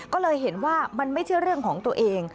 ก็เลยเห็นว่ามันไม่ใช่เรื่องของตัวเอง